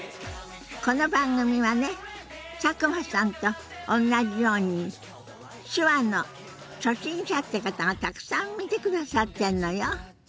この番組はね佐久間さんとおんなじように手話の初心者って方がたくさん見てくださってんのよ。